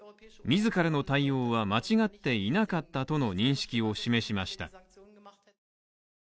自らの対応は間違っていなかったとの認識を示しました。